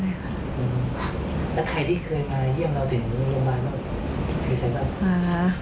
แล้วใครที่เคยมาเยี่ยมเราถึงเมืองเยี่ยมบ้านครับ